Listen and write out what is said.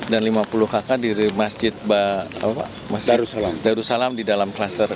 dan lima puluh kakak di masjid darussalam di dalam kluster